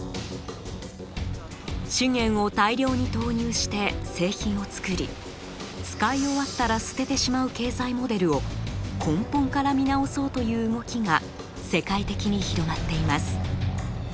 資源を大量に投入して製品を作り使い終わったら捨ててしまう経済モデルを根本から見直そうという動きが世界的に広まっています。